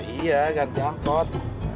iya kan diangkut